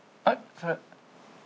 あっ！？